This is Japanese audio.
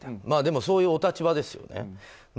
そういうお立場ですよね。